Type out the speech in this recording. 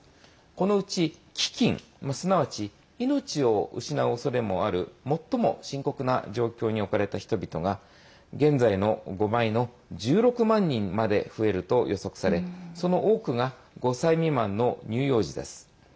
このうち飢きんすなわち、命を失うおそれもある最も深刻な状況に置かれた人々が現在の５倍の１６万人まで増えると予測されその多くが５歳未満の乳幼児です。